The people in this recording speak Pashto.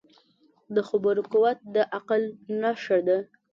د خبرو قوت د عقل نښه ده